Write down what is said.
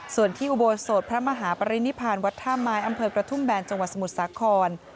ส่วนที่อุโบสถพระมหาปรินิพานวัดท่าไม้อำเภอกระทุ่มแบนจังหวัดสมุทรสาคร